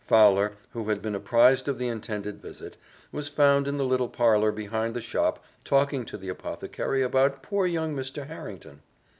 Fowler, who had been apprised of the intended visit, was found in the little parlour behind the shop talking to the apothecary about poor young Mr. Harrington.